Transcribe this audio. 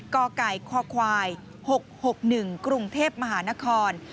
๔กกค๖๖๑กรุงเทพฯมหานคร